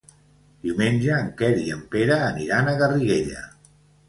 Diumenge en Quer i en Pere aniran a Garriguella.